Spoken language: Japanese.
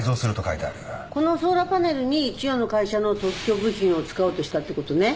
このソーラーパネルに千代の会社の特許部品を使おうとしたって事ね。